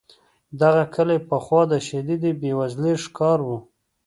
دغه کلی پخوا د شدیدې بې وزلۍ ښکار و.